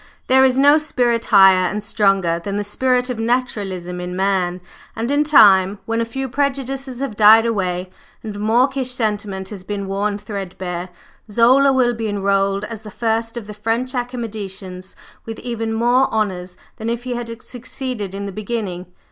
"There is no spirit higher and stronger than the spirit of naturalism in man; and in time, when a few prejudices have died away and mawkish sentiment has been worn threadbare, Zola will be enrolled as the first of the French Academicians, with even more honors than if he had succeeded in the beginning.